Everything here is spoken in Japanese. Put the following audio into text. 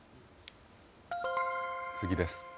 次です。